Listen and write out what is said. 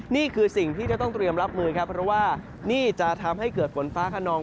นี่คือสิ่งที่จะต้องเตรียมรับมือครับเพราะว่านี่จะทำให้เกิดฝนฟ้าขนอง